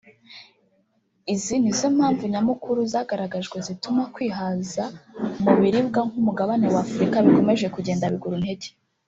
izi nizo mpamvu nyamukuru zagaragajwe zituma kwihaza mu buribwa k’umugabane wa Afurika bikomeje kugenda biguru ntege